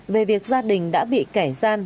về việc gia đình đã bị kẻ gian